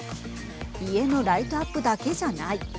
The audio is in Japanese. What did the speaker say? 家のライトアップだけじゃない。